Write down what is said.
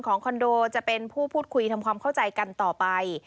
คอนโดจะเป็นผู้พูดคุยทำความเข้าใจกันต่อไป